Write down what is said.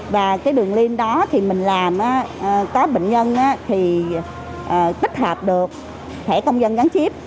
và cái đường lind đó thì mình làm có bệnh nhân thì tích hợp được thẻ công dân gắn chip